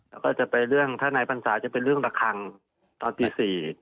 แล้วก็จะไปเรื่องถ้านายพรรษาจะเป็นเรื่องระคังตอนตี๔